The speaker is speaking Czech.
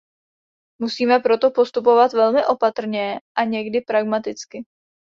Musíme proto postupovat velmi opatrně a někdy pragmaticky.